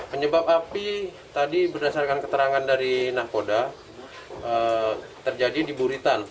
penyebab api tadi berdasarkan keterangan dari nahkoda terjadi di buritan